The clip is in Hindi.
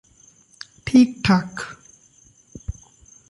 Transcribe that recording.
ठीक-ठाक